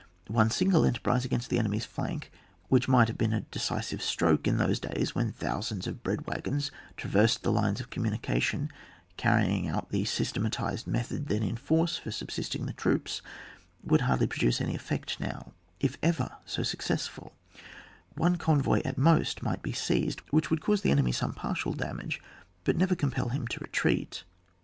One single enterprise against the enemy's flank, which might have been a decisive stroke in those days when thousands of bread waggons traversed the lines of communication, carrying out the sys tematised method then in force for sub sisting troops, would hardly produce any effect now, if ever so successful ; one convoy at most might be seized, which would cause the enemy some partial damage, but never compel him to re treat.